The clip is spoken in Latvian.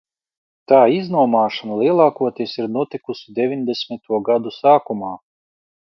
Tā iznomāšana lielākoties ir notikusi deviņdesmito gadu sākumā.